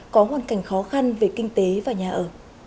có hoàn cảnh khó khăn về kinh tế và nhà ở